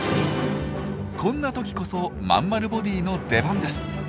こんな時こそまんまるボディーの出番です。